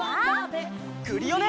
クリオネ！